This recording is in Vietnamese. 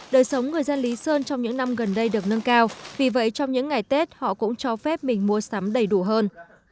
đời sống người dân lý sơn trong những năm gần đây được nâng cao vì vậy trong những ngày tết họ cũng cho phép mình mua sắm đầy đủ hơn